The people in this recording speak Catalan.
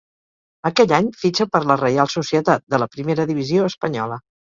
Aquell any fitxa per la Reial Societat, de la primera divisió espanyola.